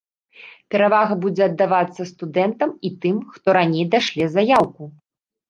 Перавага будзе аддавацца студэнтам і тым, хто раней дашле заяўку.